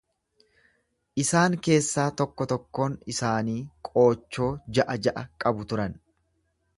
Isaan keessaa tokko tokkoon isaanii qoochoo ja'a ja'a qabu turan.